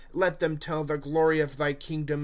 " Let them tell the glory of thy kingdom.